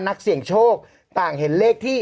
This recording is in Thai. โอเคโอเคโอเคโอเค